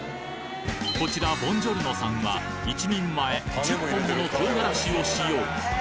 こちらボンジョルノさんは１人前１０本もの唐辛子を使用